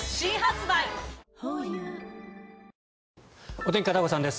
お天気、片岡さんです。